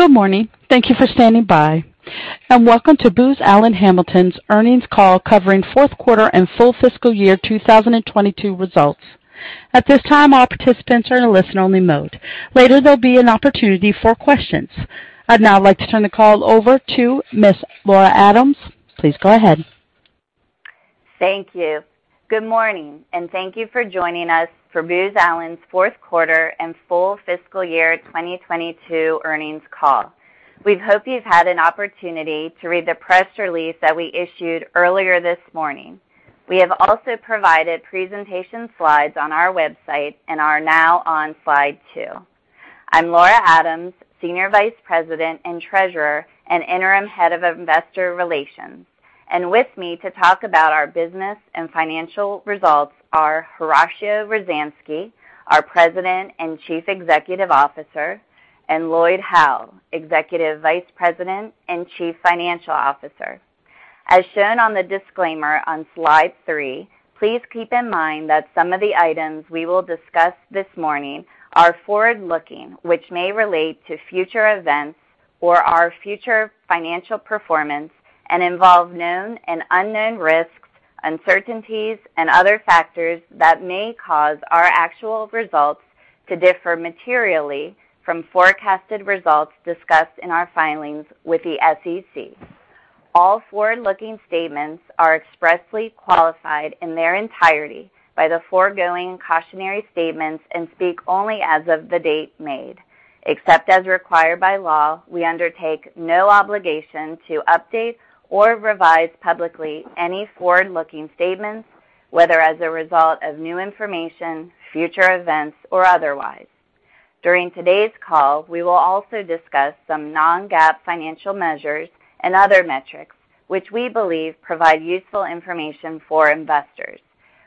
Good morning. Thank you for standing by, and welcome to Booz Allen Hamilton's earnings call covering fourth quarter and full fiscal year 2022 results. At this time, all participants are in a listen-only mode. Later, there'll be an opportunity for questions. I'd now like to turn the call over to Ms. Laura Adams. Please go ahead. Thank you. Good morning, and thank you for joining us for Booz Allen's fourth quarter and full fiscal year 2022 earnings call. We hope you've had an opportunity to read the press release that we issued earlier this morning. We have also provided presentation slides on our website and are now on slide two. I'm Laura Adams, Senior Vice President and Treasurer and Interim Head of Investor Relations. With me to talk about our business and financial results are Horacio Rozanski, our President and Chief Executive Officer, and Lloyd Howell, Executive Vice President and Chief Financial Officer. As shown on the disclaimer on slide three, please keep in mind that some of the items we will discuss this morning are forward-looking, which may relate to future events or our future financial performance and involve known and unknown risks, uncertainties, and other factors that may cause our actual results to differ materially from forecasted results discussed in our filings with the SEC. All forward-looking statements are expressly qualified in their entirety by the foregoing cautionary statements and speak only as of the date made. Except as required by law, we undertake no obligation to update or revise publicly any forward-looking statements, whether as a result of new information, future events, or otherwise. During today's call, we will also discuss some non-GAAP financial measures and other metrics which we believe provide useful information for investors.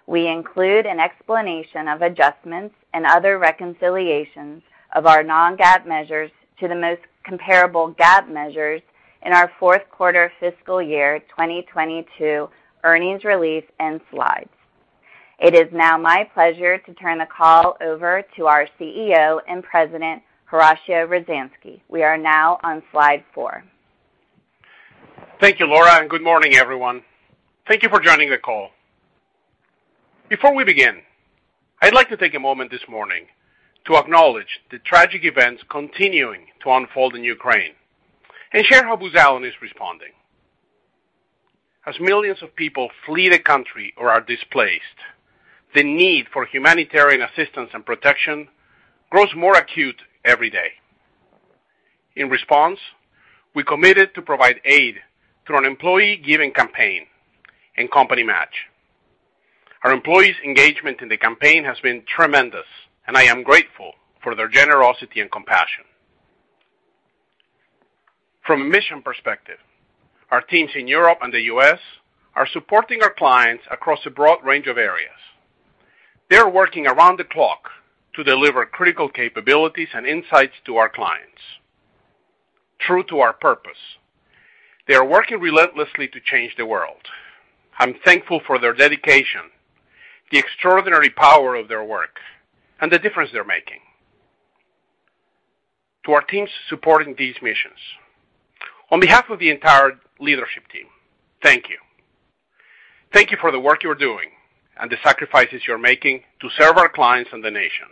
We include an explanation of adjustments and other reconciliations of our non-GAAP measures to the most comparable GAAP measures in our fourth quarter fiscal year 2022 earnings release and slides. It is now my pleasure to turn the call over to our CEO and President, Horacio Rozanski. We are now on slide four. Thank you, Laura, and good morning, everyone. Thank you for joining the call. Before we begin, I'd like to take a moment this morning to acknowledge the tragic events continuing to unfold in Ukraine and share how Booz Allen is responding. As millions of people flee the country or are displaced, the need for humanitarian assistance and protection grows more acute every day. In response, we committed to provide aid through an employee giving campaign and company match. Our employees' engagement in the campaign has been tremendous, and I am grateful for their generosity and compassion. From a mission perspective, our teams in Europe and the U.S. are supporting our clients across a broad range of areas. They are working around the clock to deliver critical capabilities and insights to our clients. True to our purpose, they are working relentlessly to change the world. I'm thankful for their dedication, the extraordinary power of their work, and the difference they're making. To our teams supporting these missions, on behalf of the entire leadership team, thank you. Thank you for the work you're doing and the sacrifices you're making to serve our clients and the nation.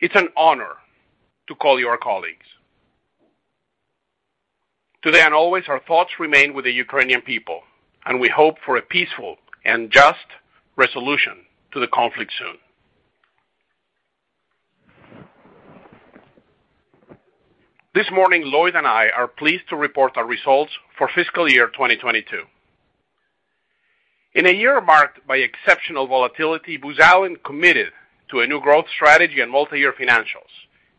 It's an honor to call you our colleagues. Today and always, our thoughts remain with the Ukrainian people, and we hope for a peaceful and just resolution to the conflict soon. This morning, Lloyd and I are pleased to report our results for fiscal year 2022. In a year marked by exceptional volatility, Booz Allen committed to a new growth strategy and multi-year financials,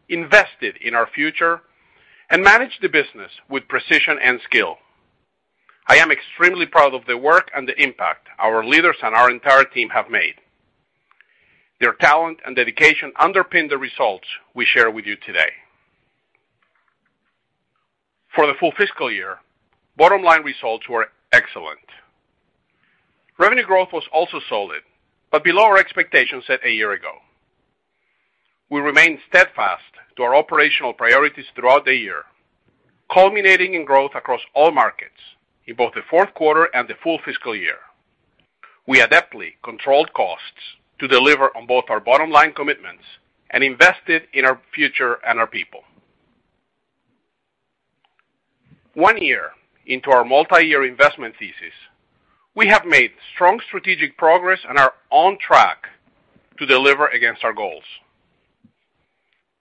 invested in our future, and managed the business with precision and skill. I am extremely proud of the work and the impact our leaders and our entire team have made. Their talent and dedication underpin the results we share with you today. For the full fiscal year, bottom-line results were excellent. Revenue growth was also solid, but below our expectations set a year ago. We remained steadfast to our operational priorities throughout the year, culminating in growth across all markets in both the fourth quarter and the full fiscal year. We adeptly controlled costs to deliver on both our bottom-line commitments and invested in our future and our people. One year into our multi-year investment thesis, we have made strong strategic progress and are on track to deliver against our goals.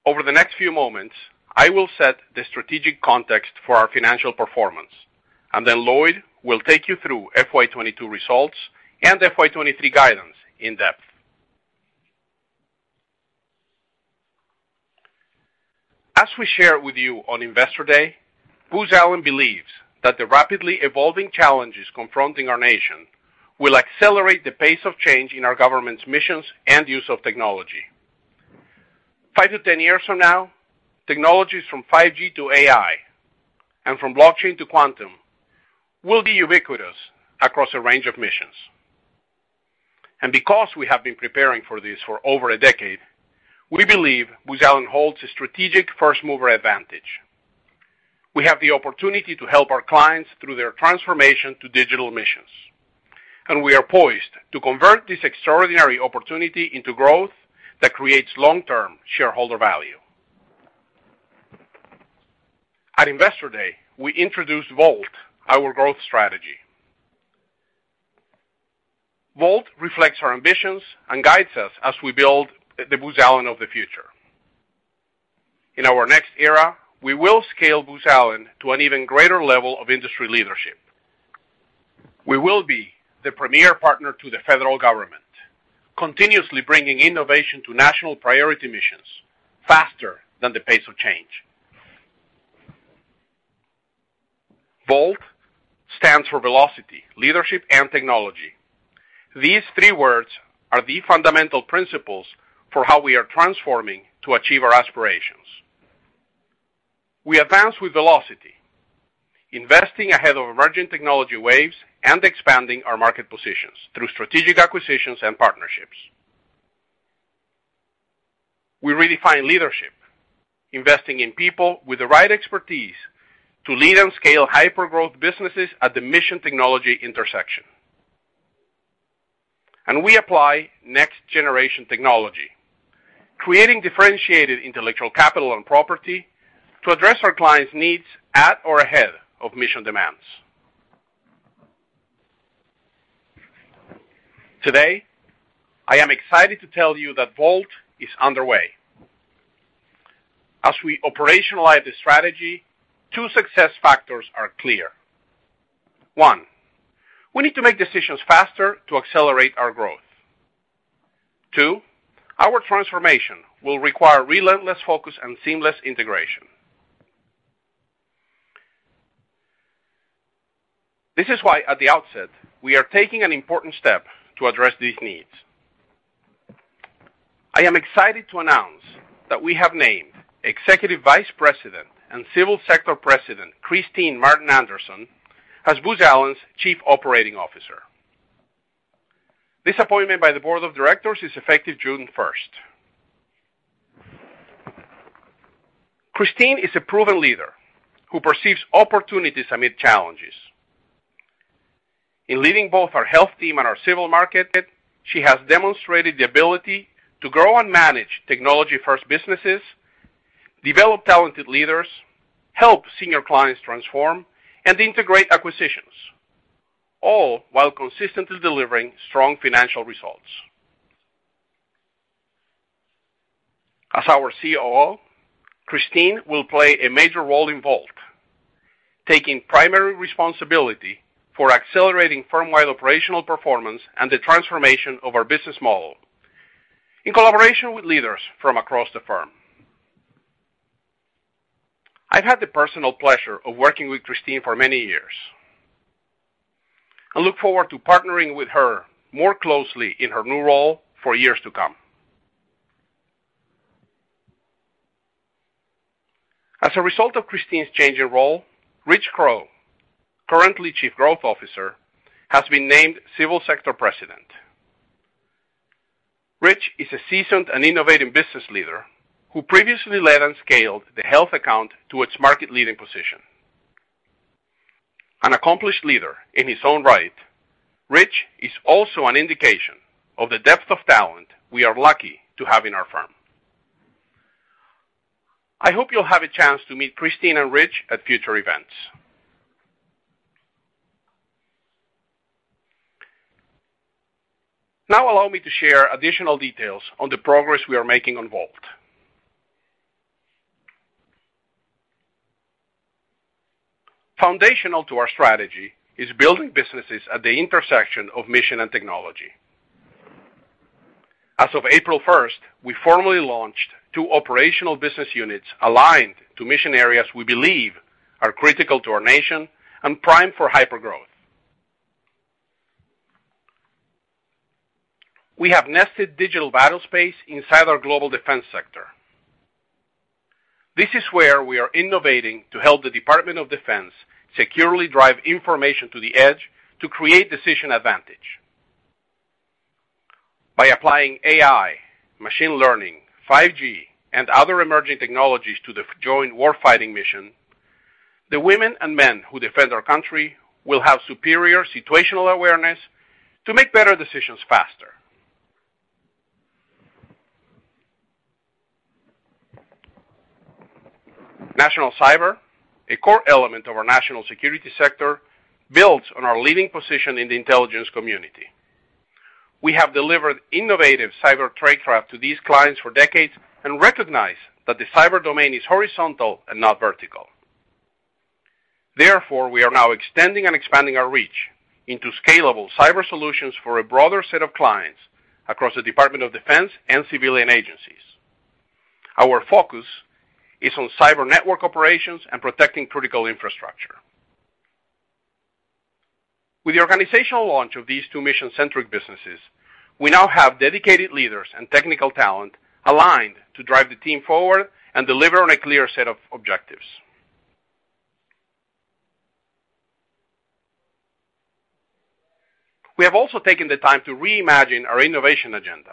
Over the next few moments, I will set the strategic context for our financial performance, and then Lloyd will take you through FY 2022 results and FY 2023 guidance in depth. As we shared with you on Investor Day, Booz Allen believes that the rapidly evolving challenges confronting our nation will accelerate the pace of change in our government's missions and use of technology. Five to 10 years from now, technologies from 5G to AI and from blockchain to quantum will be ubiquitous across a range of missions. Because we have been preparing for this for over a decade, we believe Booz Allen holds a strategic first-mover advantage. We have the opportunity to help our clients through their transformation to digital missions, and we are poised to convert this extraordinary opportunity into growth that creates long-term shareholder value. At Investor Day, we introduced VoLT, our growth strategy. VoLT reflects our ambitions and guides us as we build the Booz Allen of the future. In our next era, we will scale Booz Allen to an even greater level of industry leadership. We will be the premier partner to the federal government, continuously bringing innovation to national priority missions faster than the pace of change. VoLT stands for velocity, leadership, and technology. These three words are the fundamental principles for how we are transforming to achieve our aspirations. We advance with velocity, investing ahead of emerging technology waves and expanding our market positions through strategic acquisitions and partnerships. We redefine leadership, investing in people with the right expertise to lead and scale hypergrowth businesses at the mission technology intersection. We apply next-generation technology, creating differentiated intellectual capital and property to address our clients' needs at or ahead of mission demands. Today, I am excited to tell you that VoLT is underway. As we operationalize the strategy, two success factors are clear. One, we need to make decisions faster to accelerate our growth. Two, our transformation will require relentless focus and seamless integration. This is why, at the outset, we are taking an important step to address these needs. I am excited to announce that we have named Executive Vice President and Civil Sector President Kristine Martin Anderson as Booz Allen's Chief Operating Officer. This appointment by the board of directors is effective June first. Kristine is a proven leader who perceives opportunities amid challenges. In leading both our health team and our civil market, she has demonstrated the ability to grow and manage technology-first businesses, develop talented leaders, help senior clients transform, and integrate acquisitions, all while consistently delivering strong financial results. As our COO, Kristine will play a major role in VoLT, taking primary responsibility for accelerating firm-wide operational performance and the transformation of our business model in collaboration with leaders from across the firm. I've had the personal pleasure of working with Kristine for many years. I look forward to partnering with her more closely in her new role for years to come. As a result of Kristine's change in role, Richard Crowe, currently Chief Growth Officer, has been named Civil Sector President. Richard is a seasoned and innovative business leader who previously led and scaled the health account to its market-leading position. An accomplished leader in his own right, Richard is also an indication of the depth of talent we are lucky to have in our firm. I hope you'll have a chance to meet Kristine and Richard at future events. Now allow me to share additional details on the progress we are making on VoLT. Foundational to our strategy is building businesses at the intersection of mission and technology. As of April first, we formally launched two operational business units aligned to mission areas we believe are critical to our nation and primed for hypergrowth. We have nested digital battlespace inside our global defense sector. This is where we are innovating to help the Department of Defense securely drive information to the edge to create decision advantage. By applying AI, machine learning, 5G, and other emerging technologies to the joint war fighting mission, the women and men who defend our country will have superior situational awareness to make better decisions faster. National cyber, a core element of our national security sector, builds on our leading position in the intelligence community. We have delivered innovative cyber tradecraft to these clients for decades and recognize that the cyber domain is horizontal and not vertical. Therefore, we are now extending and expanding our reach into scalable cyber solutions for a broader set of clients across the Department of Defense and civilian agencies. Our focus is on cyber network operations and protecting critical infrastructure. With the organizational launch of these two mission-centric businesses, we now have dedicated leaders and technical talent aligned to drive the team forward and deliver on a clear set of objectives. We have also taken the time to reimagine our innovation agenda.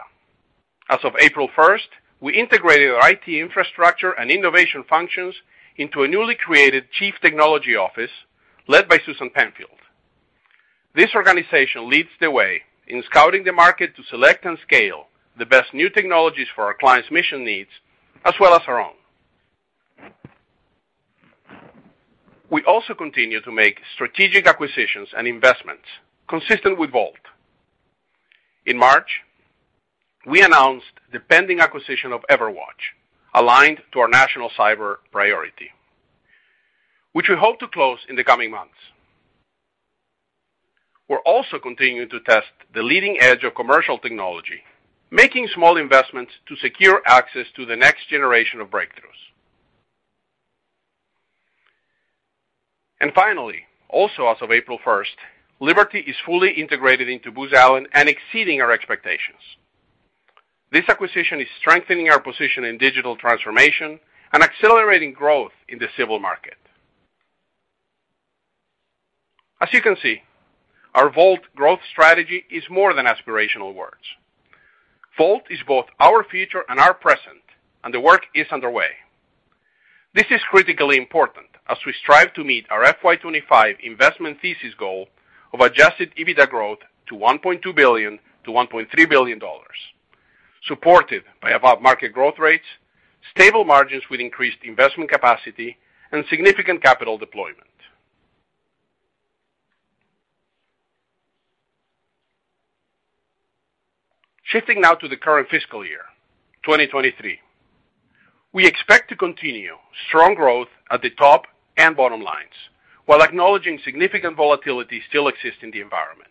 As of April first, we integrated our IT infrastructure and innovation functions into a newly created chief technology office led by Susan Penfield. This organization leads the way in scouting the market to select and scale the best new technologies for our clients' mission needs as well as our own. We also continue to make strategic acquisitions and investments consistent with VoLT. In March, we announced the pending acquisition of Everwatch, aligned to our national cyber priority, which we hope to close in the coming months. We're also continuing to test the leading edge of commercial technology, making small investments to secure access to the next generation of breakthroughs. Finally, also as of April first, Liberty is fully integrated into Booz Allen and exceeding our expectations. This acquisition is strengthening our position in digital transformation and accelerating growth in the civil market. As you can see, our VoLT growth strategy is more than aspirational words. VoLT is both our future and our present, and the work is underway. This is critically important as we strive to meet our FY 25 investment thesis goal of adjusted EBITDA growth to $1.2 billion-$1.3 billion, supported by above-market growth rates, stable margins with increased investment capacity, and significant capital deployment. Shifting now to the current fiscal year, 2023. We expect to continue strong growth at the top and bottom lines while acknowledging significant volatility still exists in the environment.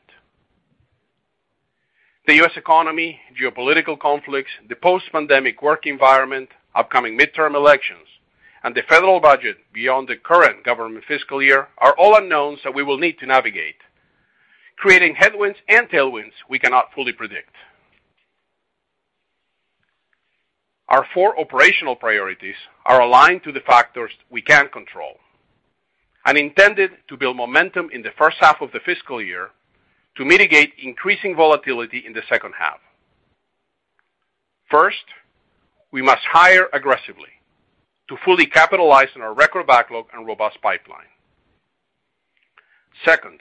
The U.S. economy, geopolitical conflicts, the post-pandemic work environment, upcoming midterm elections, and the federal budget beyond the current government fiscal year are all unknowns that we will need to navigate, creating headwinds and tailwinds we cannot fully predict. Our four operational priorities are aligned to the factors we can control and intended to build momentum in the first half of the fiscal year to mitigate increasing volatility in the second half. First, we must hire aggressively to fully capitalize on our record backlog and robust pipeline. Second,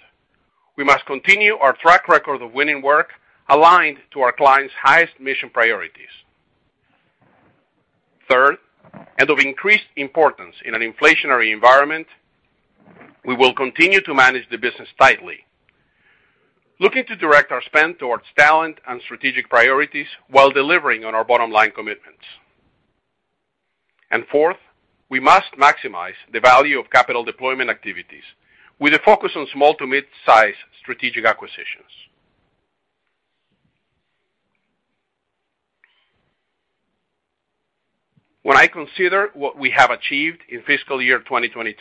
we must continue our track record of winning work aligned to our clients' highest mission priorities. Third, and of increased importance in an inflationary environment, we will continue to manage the business tightly, looking to direct our spend towards talent and strategic priorities while delivering on our bottom-line commitments. Fourth, we must maximize the value of capital deployment activities with a focus on small to mid-size strategic acquisitions. When I consider what we have achieved in fiscal year 2022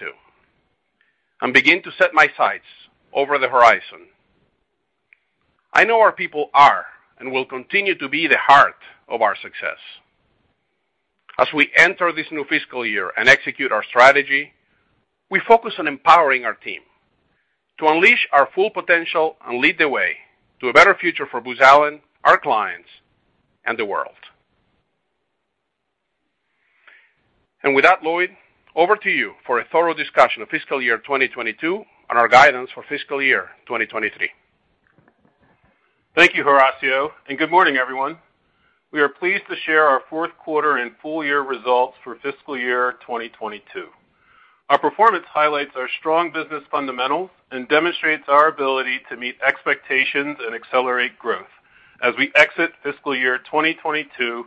and begin to set my sights over the horizon, I know our people are and will continue to be the heart of our success. As we enter this new fiscal year and execute our strategy, we focus on empowering our team to unleash our full potential and lead the way to a better future for Booz Allen, our clients, and the world. With that, Lloyd, over to you for a thorough discussion of fiscal year 2022 and our guidance for fiscal year 2023. Thank you, Horacio, and good morning, everyone. We are pleased to share our fourth quarter and full year results for fiscal year 2022. Our performance highlights our strong business fundamentals and demonstrates our ability to meet expectations and accelerate growth as we exit fiscal year 2022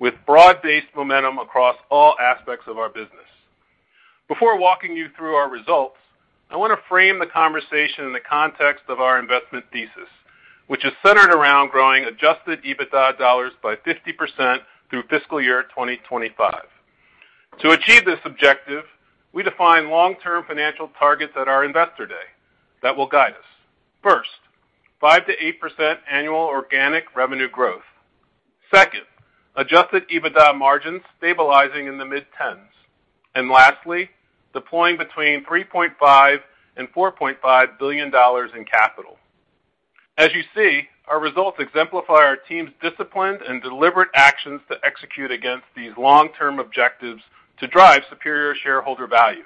with broad-based momentum across all aspects of our business. Before walking you through our results, I wanna frame the conversation in the context of our investment thesis, which is centered around growing adjusted EBITDA dollars by 50% through fiscal year 2025. To achieve this objective, we define long-term financial targets at our Investor Day that will guide us. First, 5%-8% annual organic revenue growth. Second, adjusted EBITDA margins stabilizing in the mid-teens. Lastly, deploying $3.5 billion-$4.5 billion in capital. As you see, our results exemplify our team's disciplined and deliberate actions to execute against these long-term objectives to drive superior shareholder value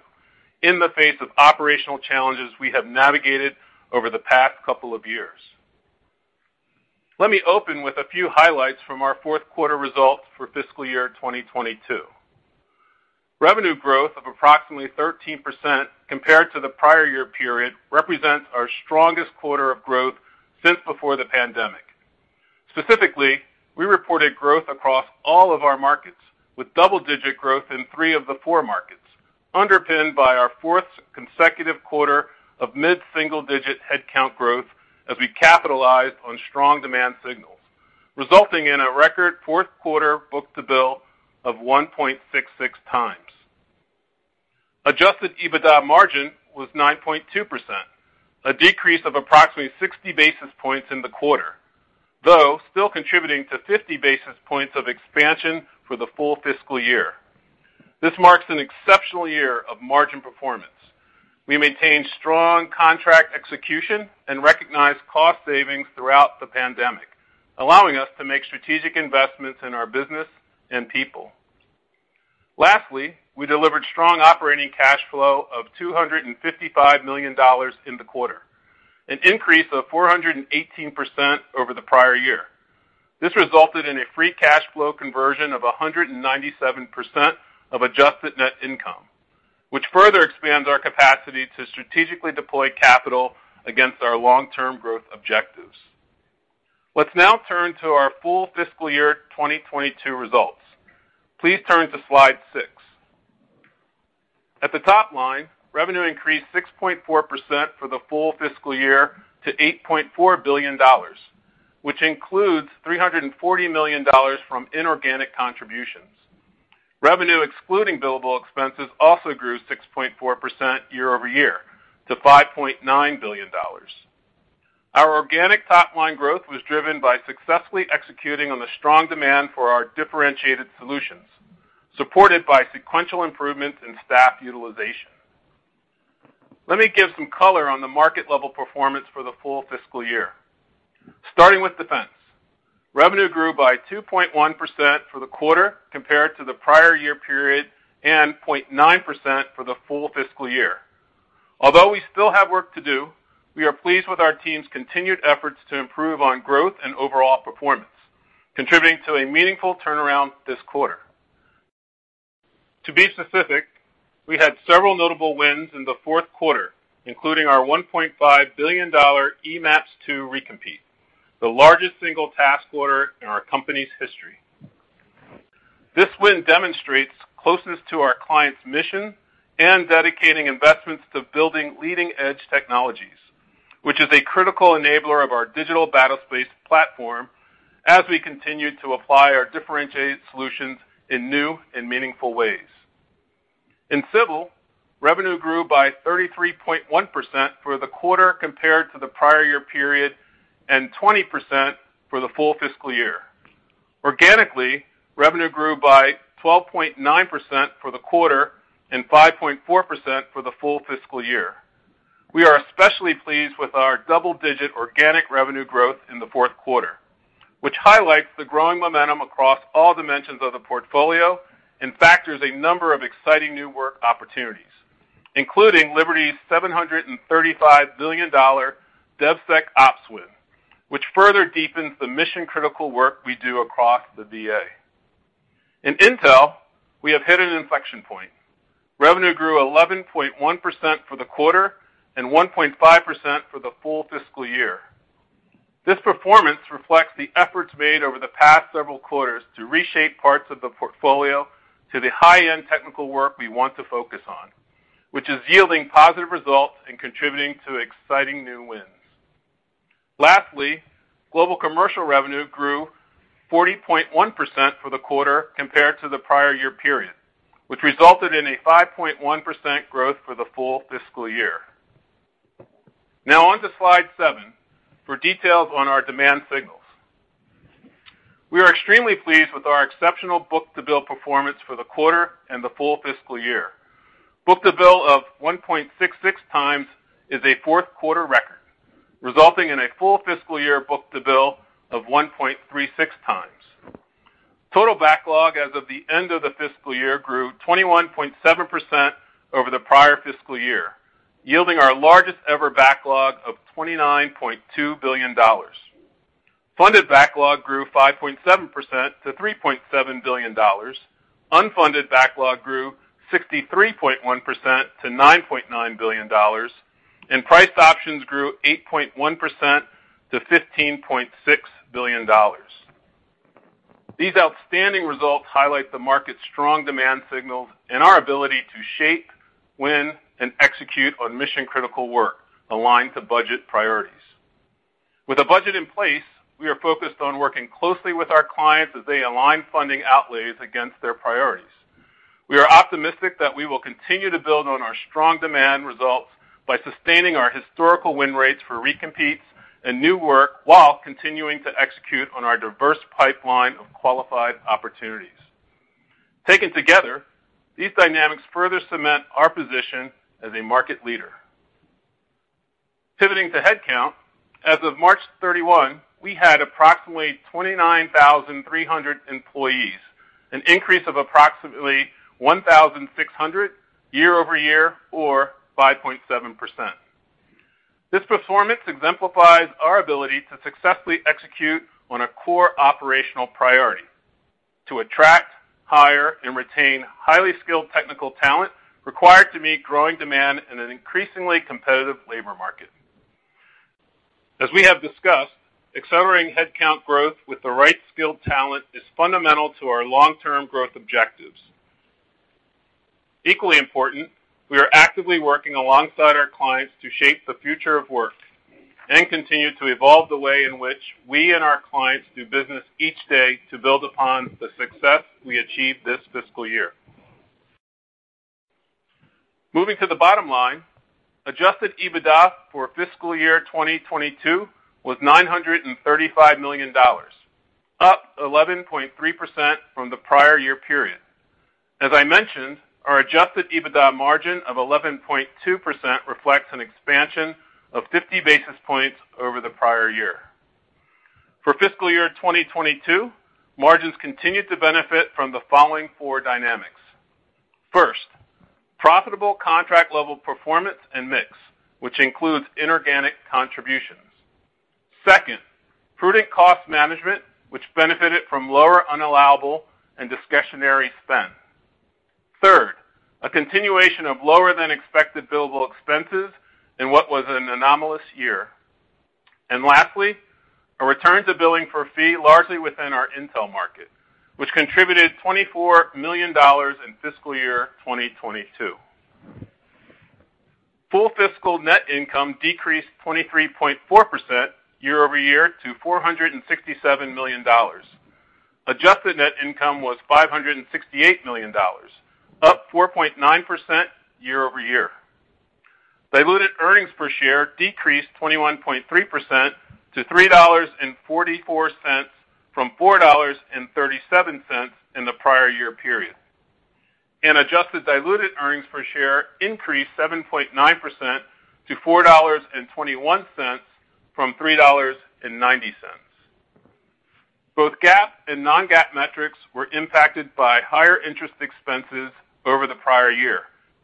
in the face of operational challenges we have navigated over the past couple of years. Let me open with a few highlights from our fourth quarter results for fiscal year 2022. Revenue growth of approximately 13% compared to the prior year period represents our strongest quarter of growth since before the pandemic. Specifically, we reported growth across all of our markets, with double-digit growth in three of the four markets, underpinned by our fourth consecutive quarter of mid-single-digit headcount growth as we capitalized on strong demand signals, resulting in a record fourth quarter book-to-bill of 1.66x. Adjusted EBITDA margin was 9.2%, a decrease of approximately 60 basis points in the quarter, though still contributing to 50 basis points of expansion for the full fiscal year. This marks an exceptional year of margin performance. We maintained strong contract execution and recognized cost savings throughout the pandemic, allowing us to make strategic investments in our business and people. Lastly, we delivered strong operating cash flow of $255 million in the quarter, an increase of 418% over the prior year. This resulted in a free cash flow conversion of 197% of adjusted net income, which further expands our capacity to strategically deploy capital against our long-term growth objectives. Let's now turn to our full fiscal year 2022 results. Please turn to slide six. At the top line, revenue increased 6.4% for the full fiscal year to $8.4 billion, which includes $340 million from inorganic contributions. Revenue excluding billable expenses also grew 6.4% year-over-year to $5.9 billion. Our organic top-line growth was driven by successfully executing on the strong demand for our differentiated solutions, supported by sequential improvements in staff utilization. Let me give some color on the market level performance for the full fiscal year. Starting with defense. Revenue grew by 2.1% for the quarter compared to the prior year period and 0.9% for the full fiscal year. Although we still have work to do, we are pleased with our team's continued efforts to improve on growth and overall performance, contributing to a meaningful turnaround this quarter. To be specific, we had several notable wins in the fourth quarter, including our $1.5 billion eMAPS 2 recompete, the largest single task order in our company's history. This win demonstrates closeness to our client's mission and dedicating investments to building leading-edge technologies, which is a critical enabler of our digital battlespace platform as we continue to apply our differentiated solutions in new and meaningful ways. In civil, revenue grew by 33.1% for the quarter compared to the prior year period, and 20% for the full fiscal year. Organically, revenue grew by 12.9% for the quarter and 5.4% for the full fiscal year. We are especially pleased with our double-digit organic revenue growth in the fourth quarter, which highlights the growing momentum across all dimensions of the portfolio and factors a number of exciting new work opportunities, including Liberty's $735 billion DevSecOps win, which further deepens the mission-critical work we do across the DoD. In intel, we have hit an inflection point. Revenue grew 11.1% for the quarter and 1.5% for the full fiscal year. This performance reflects the efforts made over the past several quarters to reshape parts of the portfolio to the high-end technical work we want to focus on, which is yielding positive results and contributing to exciting new wins. Lastly, global commercial revenue grew 40.1% for the quarter compared to the prior year period, which resulted in a 5.1% growth for the full fiscal year. Now on to slide seven for details on our demand signals. We are extremely pleased with our exceptional book-to-bill performance for the quarter and the full fiscal year. Book-to-bill of 1.66x is a fourth-quarter record, resulting in a full fiscal year book-to-bill of 1.36x. Total backlog as of the end of the fiscal year grew 21.7% over the prior fiscal year, yielding our largest ever backlog of $29.2 billion. Funded backlog grew 5.7% to $3.7 billion. Unfunded backlog grew 63.1% to $9.9 billion, and priced options grew 8.1% to $15.6 billion. These outstanding results highlight the market's strong demand signals and our ability to shape, win, and execute on mission-critical work aligned to budget priorities. With a budget in place, we are focused on working closely with our clients as they align funding outlays against their priorities. We are optimistic that we will continue to build on our strong demand results by sustaining our historical win rates for recompetes and new work while continuing to execute on our diverse pipeline of qualified opportunities. Taken together, these dynamics further cement our position as a market leader. Pivoting to headcount, as of March 31, we had approximately 29,300 employees, an increase of approximately 1,600 year-over-year or 5.7%. This performance exemplifies our ability to successfully execute on a core operational priority to attract, hire, and retain highly skilled technical talent required to meet growing demand in an increasingly competitive labor market. As we have discussed, accelerating headcount growth with the right skilled talent is fundamental to our long-term growth objectives. Equally important, we are actively working alongside our clients to shape the future of work and continue to evolve the way in which we and our clients do business each day to build upon the success we achieved this fiscal year. Moving to the bottom line, adjusted EBITDA for fiscal year 2022 was $935 million, up 11.3% from the prior year period. As I mentioned, our adjusted EBITDA margin of 11.2% reflects an expansion of 50 basis points over the prior year. For fiscal year 2022, margins continued to benefit from the following four dynamics. First, profitable contract level performance and mix, which includes inorganic contributions. Second, prudent cost management, which benefited from lower unallowable and discretionary spend. Third, a continuation of lower than expected billable expenses in what was an anomalous year. Lastly, a return to billing for fee largely within our intel market, which contributed $24 million in fiscal year 2022. Full fiscal net income decreased 23.4% year-over-year to $467 million. Adjusted net income was $568 million, up 4.9% year-over-year. Diluted earnings per share decreased 21.3% to $3.44 from $4.37 in the prior year period. Adjusted diluted earnings per share increased 7.9% to $4.21 from $3.90. Both GAAP and non-GAAP metrics were impacted by higher interest expenses over the prior year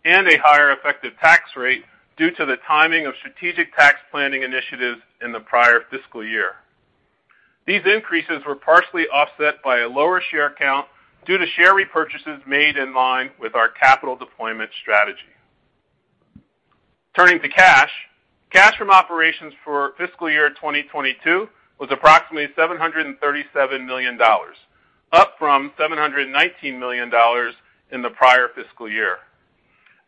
and a higher effective tax rate due to the timing of strategic tax planning initiatives in the prior fiscal year. These increases were partially offset by a lower share count due to share repurchases made in line with our capital deployment strategy. Turning to cash. Cash from operations for fiscal year 2022 was approximately $737 million, up from $719 million in the prior fiscal year.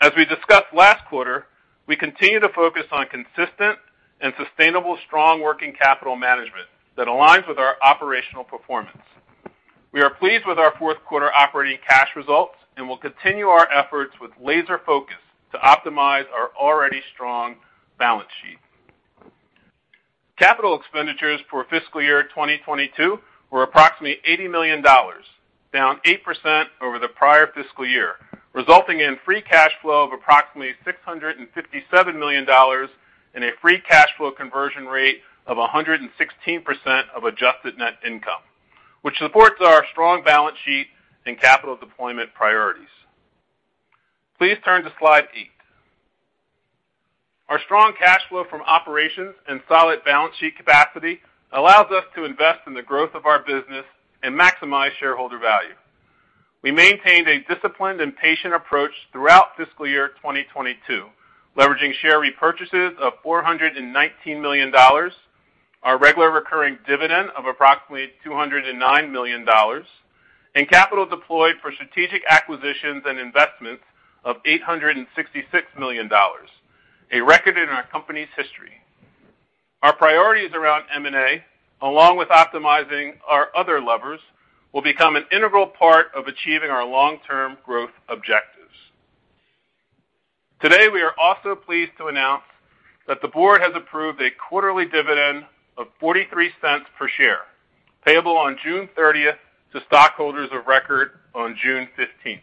As we discussed last quarter, we continue to focus on consistent and sustainable strong working capital management that aligns with our operational performance. We are pleased with our fourth quarter operating cash results, and we'll continue our efforts with laser focus to optimize our already strong balance sheet. Capital expenditures for fiscal year 2022 were approximately $80 million, down 8% over the prior fiscal year, resulting in free cash flow of approximately $657 million and a free cash flow conversion rate of 116% of adjusted net income, which supports our strong balance sheet and capital deployment priorities. Please turn to slide 8. Our strong cash flow from operations and solid balance sheet capacity allows us to invest in the growth of our business and maximize shareholder value. We maintained a disciplined and patient approach throughout fiscal year 2022, leveraging share repurchases of $419 million, our regular recurring dividend of approximately $209 million, and capital deployed for strategic acquisitions and investments of $866 million, a record in our company's history. Our priorities around M&A, along with optimizing our other levers, will become an integral part of achieving our long-term growth objectives. Today, we are also pleased to announce that the board has approved a quarterly dividend of $0.43 per share, payable on June thirtieth to stockholders of record on June fifteenth.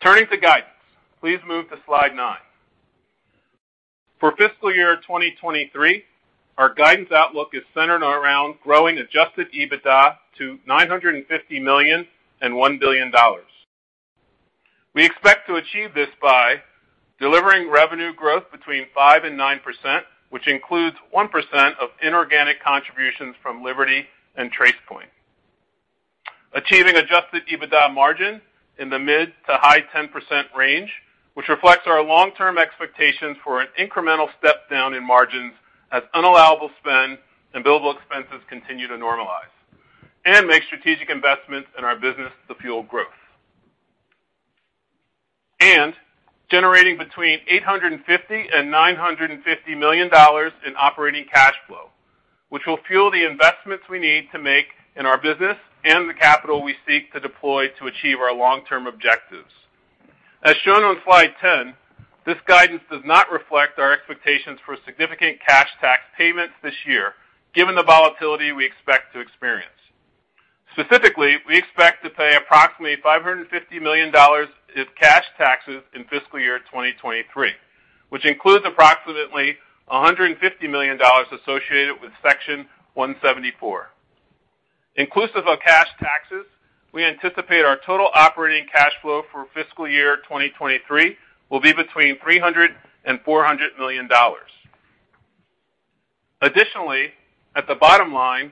Turning to guidance, please move to slide 9. For fiscal year 2023, our guidance outlook is centered around growing adjusted EBITDA to $950 million-$1 billion. We expect to achieve this by delivering revenue growth between 5% and 9%, which includes 1% of inorganic contributions from Liberty and Tracepoint. Achieving adjusted EBITDA margin in the mid- to high-10% range, which reflects our long-term expectations for an incremental step down in margins as unallowable spend and billable expenses continue to normalize and make strategic investments in our business to fuel growth. Generating between $850 million and $950 million in operating cash flow, which will fuel the investments we need to make in our business and the capital we seek to deploy to achieve our long-term objectives. As shown on slide 10, this guidance does not reflect our expectations for significant cash tax payments this year, given the volatility we expect to experience. Specifically, we expect to pay approximately $550 million of cash taxes in fiscal year 2023, which includes approximately $150 million associated with Section 174. Inclusive of cash taxes, we anticipate our total operating cash flow for fiscal year 2023 will be between $300 million and $400 million. Additionally, at the bottom line,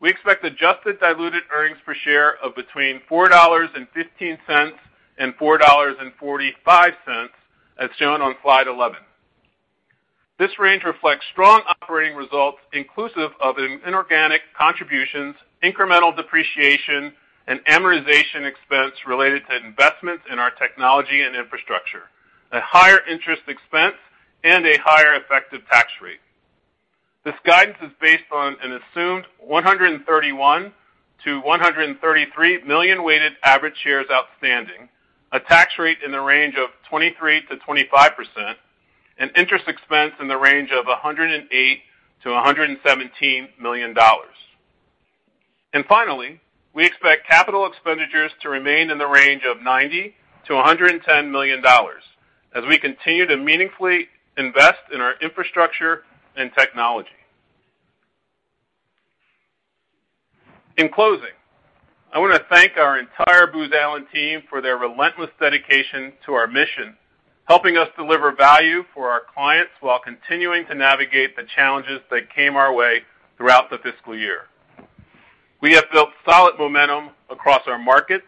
we expect adjusted diluted EPS of between $4.15 and $4.45, as shown on slide 11. This range reflects strong operating results inclusive of inorganic contributions, incremental depreciation, and amortization expense related to investments in our technology and infrastructure, a higher interest expense, and a higher effective tax rate. This guidance is based on an assumed 131 million-133 million weighted average shares outstanding, a tax rate in the range of 23%-25%, and interest expense in the range of $108 million-$117 million. Finally, we expect capital expenditures to remain in the range of $90 million-$110 million as we continue to meaningfully invest in our infrastructure and technology. In closing, I wanna thank our entire Booz Allen team for their relentless dedication to our mission, helping us deliver value for our clients while continuing to navigate the challenges that came our way throughout the fiscal year. We have built solid momentum across our markets.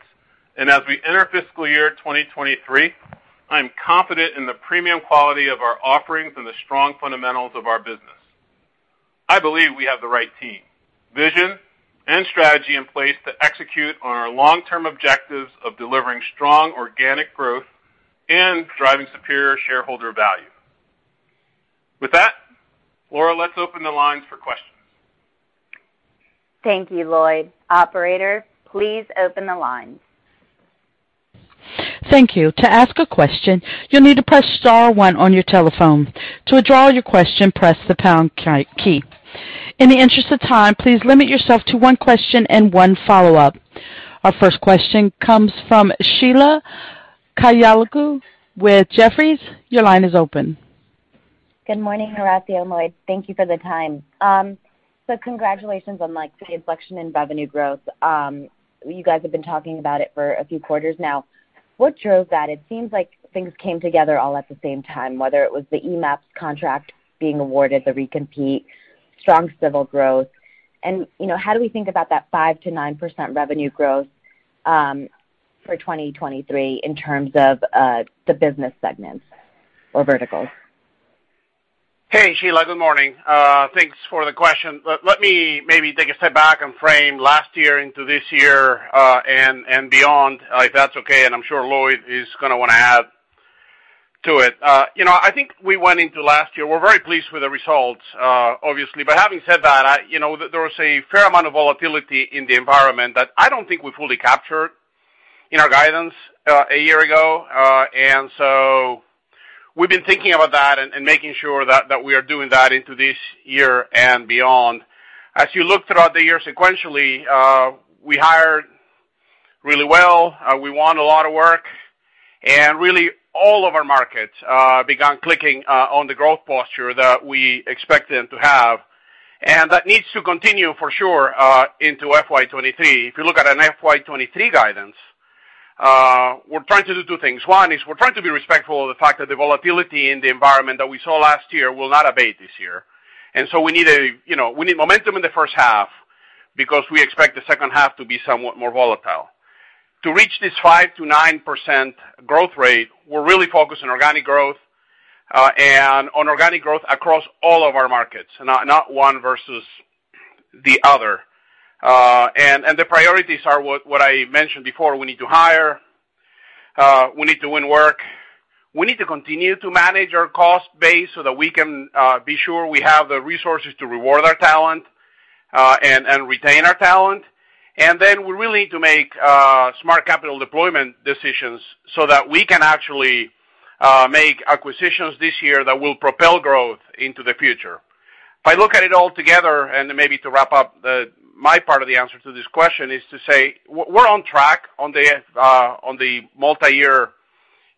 As we enter fiscal year 2023, I am confident in the premium quality of our offerings and the strong fundamentals of our business. I believe we have the right team, vision, and strategy in place to execute on our long-term objectives of delivering strong organic growth and driving superior shareholder value. With that, Laura, let's open the lines for questions. Thank you, Lloyd. Operator, please open the lines. Thank you. To ask a question, you'll need to press star one on your telephone. To withdraw your question, press the pound key. In the interest of time, please limit yourself to one question and one follow-up. Our first question comes from Sheila Kahyaoglu with Jefferies. Your line is open. Good morning, Horacio, Lloyd. Thank you for the time. Congratulations on, like, the inflection in revenue growth. You guys have been talking about it for a few quarters now. What drove that? It seems like things came together all at the same time, whether it was the eMAPS contract being awarded the recompete, strong civil growth. You know, how do we think about that 5%-9% revenue growth for 2023 in terms of the business segments or verticals? Hey, Sheila. Good morning. Thanks for the question. Let me maybe take a step back and frame last year into this year and beyond, if that's okay, and I'm sure Lloyd is gonna wanna add to it. You know, I think we went into last year, we're very pleased with the results, obviously. Having said that, you know, there was a fair amount of volatility in the environment that I don't think we fully captured in our guidance, a year ago. We've been thinking about that and making sure that we are doing that into this year and beyond. As you look throughout the year sequentially, we hired really well, we won a lot of work, and really all of our markets began clicking on the growth posture that we expect them to have. That needs to continue for sure into FY 2023. If you look at an FY 2023 guidance, we're trying to do two things. One is we're trying to be respectful of the fact that the volatility in the environment that we saw last year will not abate this year. You know, we need momentum in the first half because we expect the second half to be somewhat more volatile. To reach this 5%-9% growth rate, we're really focused on organic growth, and on organic growth across all of our markets, not one versus the other. The priorities are what I mentioned before. We need to hire. We need to win work. We need to continue to manage our cost base so that we can be sure we have the resources to reward our talent and retain our talent. We really need to make smart capital deployment decisions so that we can actually make acquisitions this year that will propel growth into the future. If I look at it all together, and then maybe to wrap up my part of the answer to this question, is to say we're on track on the multiyear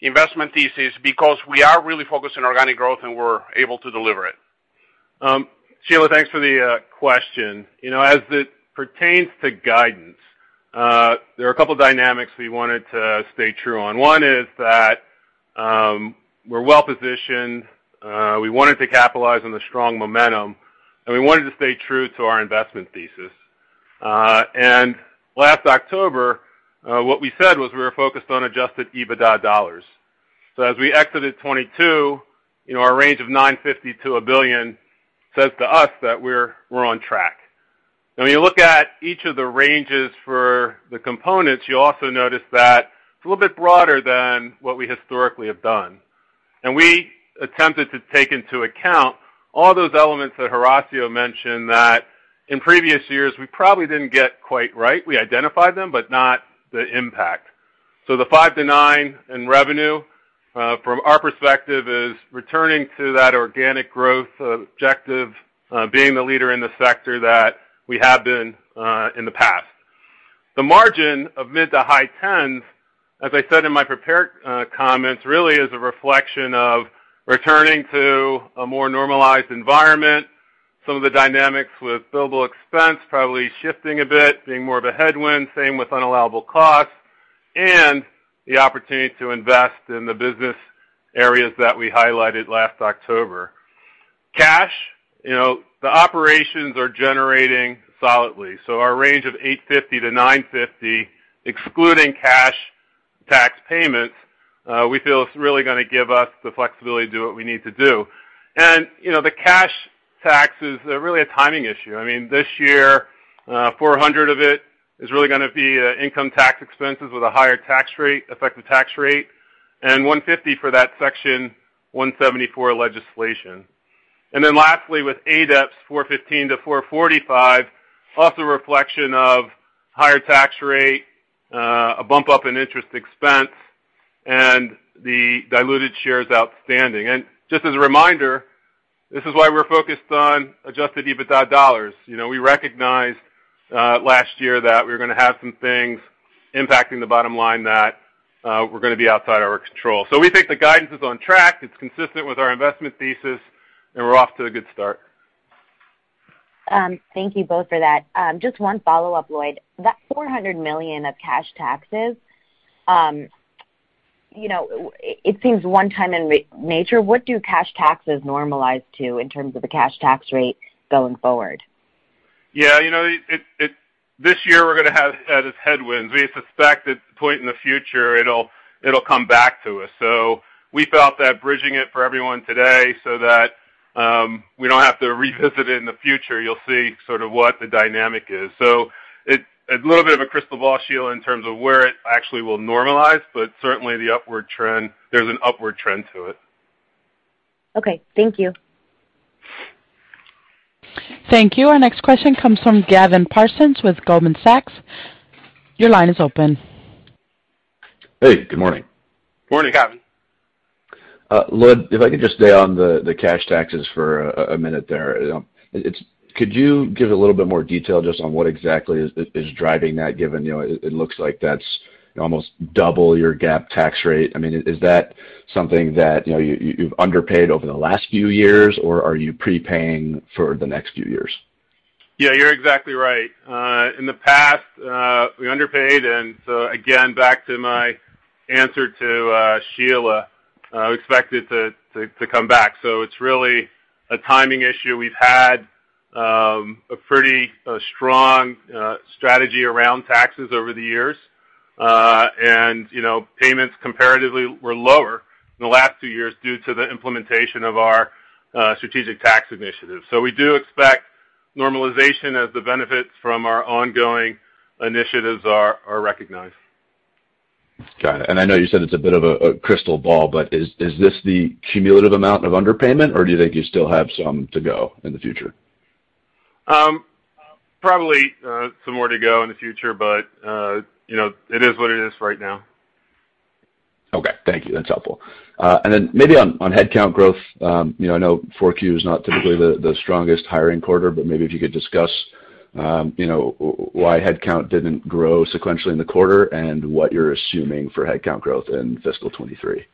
investment thesis because we are really focused on organic growth, and we're able to deliver it. Sheila, thanks for the question. You know, as it pertains to guidance, there are a couple of dynamics we wanted to stay true on. One is that, we're well-positioned, we wanted to capitalize on the strong momentum, and we wanted to stay true to our investment thesis. Last October, what we said was we were focused on adjusted EBITDA dollars. So as we exited 2022, you know, our range of $950 million-$1 billion says to us that we're on track. Now, when you look at each of the ranges for the components, you also notice that it's a little bit broader than what we historically have done. We attempted to take into account all those elements that Horacio mentioned that in previous years, we probably didn't get quite right. We identified them, but not the impact. The 5%-9% in revenue from our perspective is returning to that organic growth objective, being the leader in the sector that we have been in the past. The margin of mid- to high-teens percentage, as I said in my prepared comments, really is a reflection of returning to a more normalized environment. Some of the dynamics with billable expense probably shifting a bit, being more of a headwind, same with unallowable costs, and the opportunity to invest in the business areas that we highlighted last October. Cash, you know, the operations are generating solidly. Our range of $850 million-$950 million, excluding cash tax payments, we feel is really gonna give us the flexibility to do what we need to do. You know, the cash tax is really a timing issue. I mean, this year, $400 of it is really gonna be income tax expenses with a higher tax rate, effective tax rate and $150 for that Section 174 legislation. Then lastly, with adjusted EPS, $4.15-$4.45, also reflection of higher tax rate, a bump up in interest expense, and the diluted shares outstanding. Just as a reminder, this is why we're focused on adjusted EBITDA dollars. You know, we recognized last year that we were gonna have some things impacting the bottom line that were gonna be outside our control. We think the guidance is on track, it's consistent with our investment thesis, and we're off to a good start. Thank you both for that. Just one follow-up, Lloyd. That $400 million of cash taxes, you know, it seems one time in nature. What do cash taxes normalize to in terms of the cash tax rate going forward? Yeah, you know, this year we're gonna have some headwinds. We suspect at some point in the future it'll come back to us. We felt that bridging it for everyone today so that we don't have to revisit it in the future. You'll see sort of what the dynamic is. It's a little bit of a crystal ball, Sheila, in terms of where it actually will normalize, but certainly the upward trend. There's an upward trend to it. Okay, thank you. Thank you. Our next question comes from Gautam Khanna with TD Cowen. Your line is open. Hey, good morning. Morning, Gautam. Lloyd, if I could just stay on the cash taxes for a minute there. Could you give a little bit more detail just on what exactly is driving that, given, you know, it looks like that's almost double your GAAP tax rate? I mean, is that something that, you know, you've underpaid over the last few years, or are you prepaying for the next few years? Yeah, you're exactly right. In the past, we underpaid, and so again, back to my answer to Sheila, we expect it to come back. It's really a timing issue. We've had a pretty strong strategy around taxes over the years. You know, payments comparatively were lower in the last two years due to the implementation of our strategic tax initiative. We do expect normalization as the benefits from our ongoing initiatives are recognized. Got it. I know you said it's a bit of a crystal ball, but is this the cumulative amount of underpayment, or do you think you still have some to go in the future? Probably, some more to go in the future, but, you know, it is what it is right now. Okay. Thank you. That's helpful. Then maybe on headcount growth, you know, I know Q4 is not typically the strongest hiring quarter, but maybe if you could discuss, you know, why headcount didn't grow sequentially in the quarter and what you're assuming for headcount growth in fiscal 2023.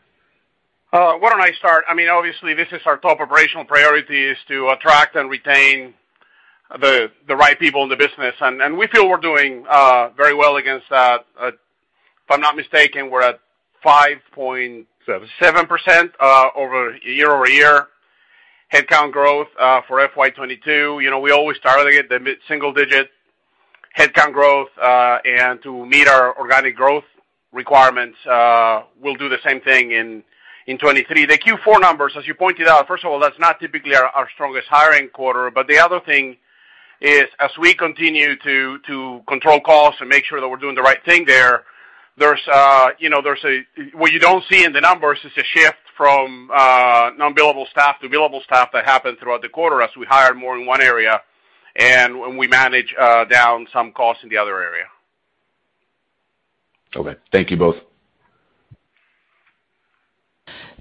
Why don't I start? I mean, obviously this is our top operational priority is to attract and retain the right people in the business. We feel we're doing very well against that. If I'm not mistaken, we're at 5 point 7% year-over-year headcount growth for FY 2022. You know, we always target at the mid-single digit headcount growth, and to meet our organic growth requirements, we'll do the same thing in 2023. The Q4 numbers, as you pointed out, first of all, that's not typically our strongest hiring quarter, but the other thing is, as we continue to control costs and make sure that we're doing the right thing there, you know, what you don't see in the numbers is the shift from non-billable staff to billable staff that happened throughout the quarter as we hired more in one area and when we manage down some costs in the other area. Okay. Thank you both.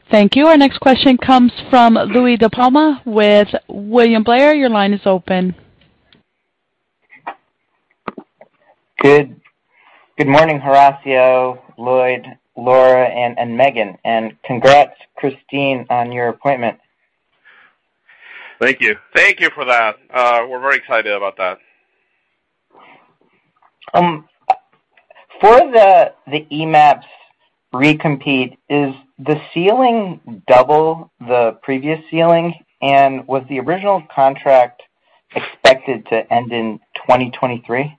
Thank you. Our next question comes from Louie DiPalma with William Blair. Your line is open. Good morning, Horacio, Lloyd, Laura, and Megan. Congrats, Kristine, on your appointment. Thank you. Thank you for that. We're very excited about that. For the eMAPS recompete, is the ceiling double the previous ceiling? Was the original contract expected to end in 2023?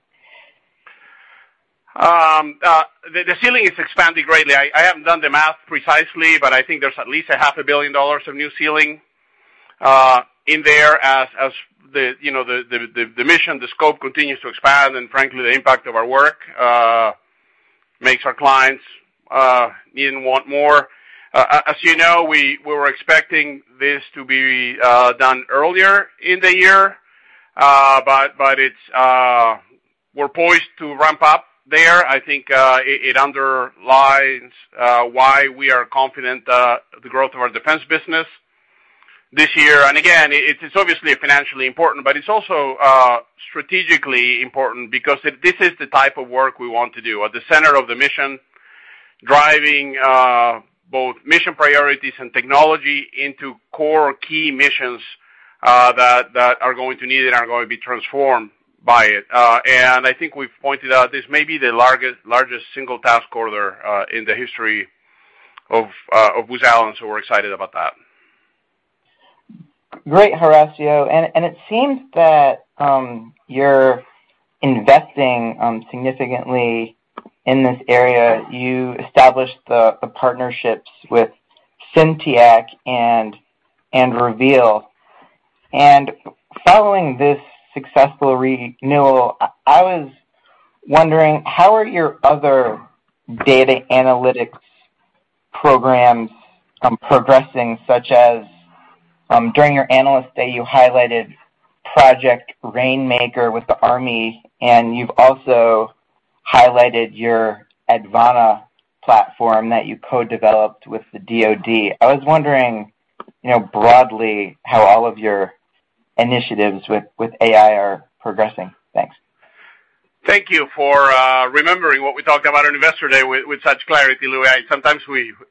The ceiling is expanded greatly. I haven't done the math precisely, but I think there's at least half a billion dollars of new ceiling in there as you know, the mission, the scope continues to expand, and frankly, the impact of our work makes our clients need and want more. As you know, we were expecting this to be done earlier in the year, but we're poised to ramp up there. I think it underlines why we are confident the growth of our defense business this year. It's obviously financially important, but it's also strategically important because this is the type of work we want to do at the center of the mission, driving both mission priorities and technology into core key missions that are going to need it and are going to be transformed by it. I think we've pointed out this may be the largest single task order in the history of Booz Allen, so we're excited about that. Great, Horacio. It seems that you're investing significantly in this area. You established the partnerships with Synthetaic and Reveal Technology. Following this successful renewal, I was wondering how your other data analytics programs are progressing? Such as, during your analyst day, you highlighted Project Rainmaker with the Army, and you've also highlighted your Advana platform that you co-developed with the DoD. I was wondering, you know, broadly how all of your initiatives with AI are progressing. Thanks. Thank you for remembering what we talked about on Investor Day with such clarity, Louie. Sometimes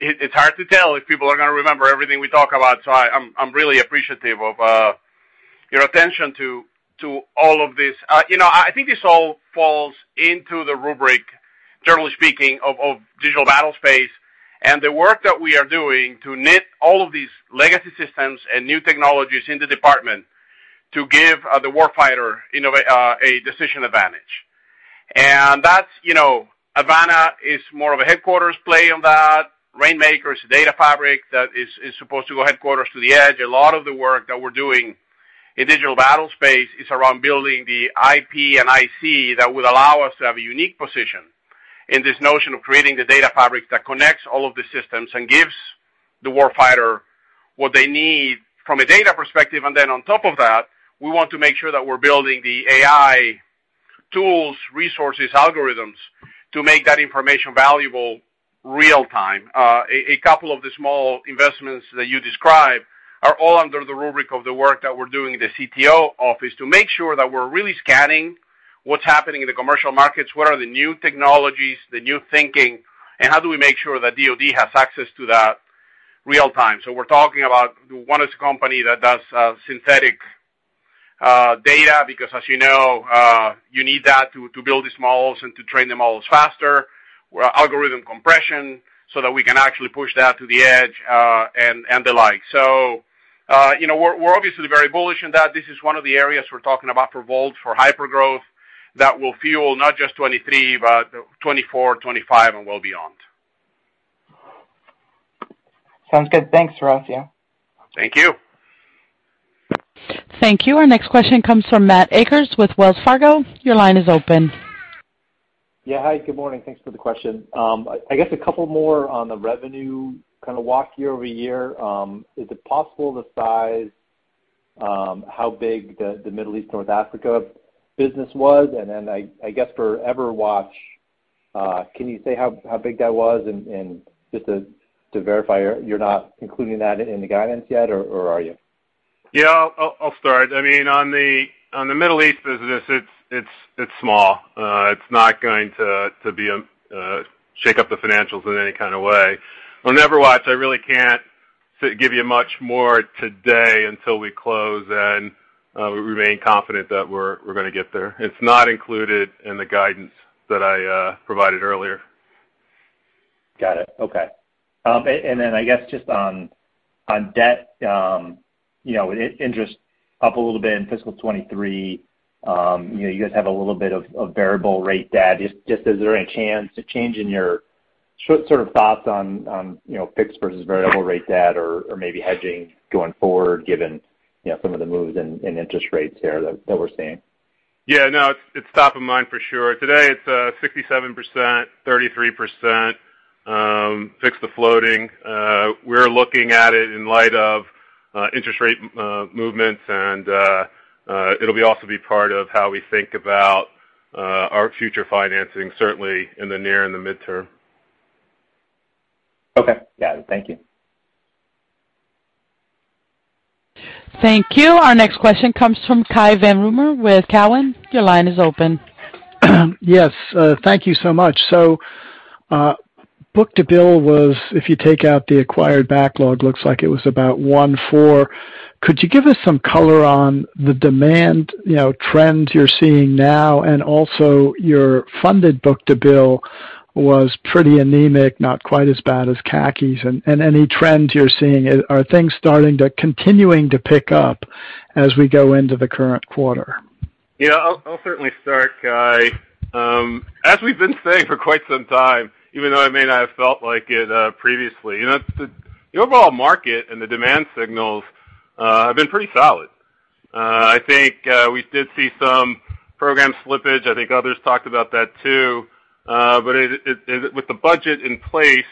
it's hard to tell if people are gonna remember everything we talk about, so I'm really appreciative of your attention to all of this. You know, I think this all falls into the rubric, generally speaking, of digital battlespace and the work that we are doing to knit all of these legacy systems and new technologies in the department to give the war fighter in a way a decision advantage. That's, you know, Advana is more of a headquarters play on that. Rainmaker is a data fabric that is supposed to go headquarters to the edge. A lot of the work that we're doing in digital battlespace is around building the IP and IC that would allow us to have a unique position in this notion of creating the data fabric that connects all of the systems and gives the warfighter what they need from a data perspective. On top of that, we want to make sure that we're building the AI tools, resources, algorithms to make that information valuable real-time. A couple of the small investments that you described are all under the rubric of the work that we're doing in the CTO office to make sure that we're really scanning what's happening in the commercial markets, what are the new technologies, the new thinking, and how do we make sure that DoD has access to that real time? We're talking about one is a company that does synthetic data because as you know you need that to build these models and to train the models faster. Algorithm compression so that we can actually push that to the edge and the like. You know we're obviously very bullish in that. This is one of the areas we're talking about for VoLT for hypergrowth that will fuel not just 2023 but 2024 2025 and well beyond. Sounds good. Thanks, Horacio Rozanski. Thank you. Thank you. Our next question comes from Matthew Akers with Wells Fargo. Your line is open. Yeah. Hi. Good morning. Thanks for the question. I guess a couple more on the revenue kinda walk year over year. Is it possible to size how big the Middle East North Africa business was? And then I guess for EverWatch, can you say how big that was? And just to verify, you're not including that in the guidance yet or are you? Yeah. I'll start. I mean, on the Middle East business, it's small. It's not going to be a shake up the financials in any kinda way. On EverWatch, I really can't give you much more today until we close and we remain confident that we're gonna get there. It's not included in the guidance that I provided earlier. Got it. Okay. And then I guess just on debt, you know, interest up a little bit in fiscal 2023. You know, you guys have a little bit of variable rate debt. Just is there any chance to change in your sort of thoughts on, you know, fixed versus variable rate debt or maybe hedging going forward, given, you know, some of the moves in interest rates here that we're seeing? Yeah, no, it's top of mind for sure. Today it's 67%, 33%, fixed to floating. We're looking at it in light of interest rate movements and it'll also be part of how we think about our future financing, certainly in the near and the midterm. Okay. Yeah. Thank you. Thank you. Our next question comes from Cai von Rumohr with Cowen. Your line is open. Yes, thank you so much. Book-to-bill was, if you take out the acquired backlog, looks like it was about 1.4. Could you give us some color on the demand, you know, trends you're seeing now? Also, your funded book-to-bill was pretty anemic, not quite as bad as CACI's. Any trends you're seeing, are things starting to continue to pick up as we go into the current quarter? Yeah. I'll certainly start, Cai von Rumohr. As we've been saying for quite some time, even though it may not have felt like it, previously, you know, the overall market and the demand signals have been pretty solid. I think we did see some program slippage. I think others talked about that too. With the budget in place,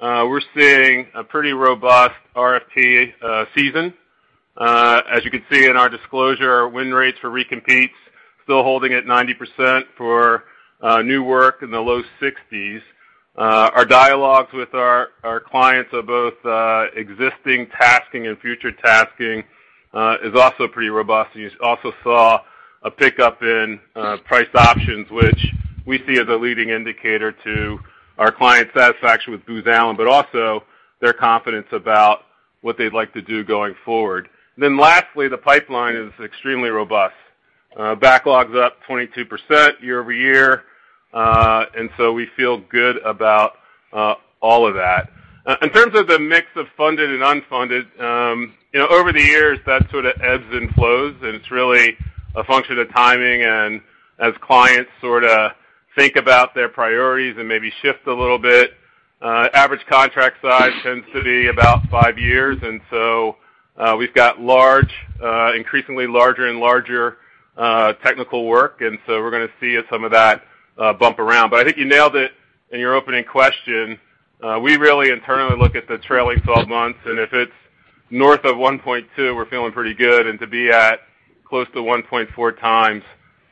we're seeing a pretty robust RFP season. As you can see in our disclosure, our win rates for recompetes still holding at 90% for new work in the low 60s. Our dialogues with our clients of both existing tasking and future tasking is also pretty robust. You also saw a pickup in priced options, which we see as a leading indicator to our client satisfaction with Booz Allen, but also their confidence about what they'd like to do going forward. Lastly, the pipeline is extremely robust. Backlog's up 22% year-over-year. We feel good about all of that. In terms of the mix of funded and unfunded, you know, over the years that sort of ebbs and flows, a function of timing and as clients sort of think about their priorities and maybe shift a little bit, average contract size tends to be about five years. We've got large, increasingly larger and larger, technical work, and so we're gonna see some of that bump around. I think you nailed it in your opening question. We really internally look at the trailing twelve months, and if it's north of 1.2, we're feeling pretty good. To be at close to 1.4x,